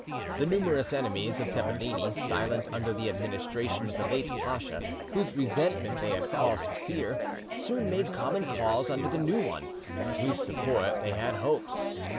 The numerous enemies of Tepeleni, silent under the administration of the late pacha, whose resentment they had cause to fear, soon made common cause under the new one, for whose support they had hopes.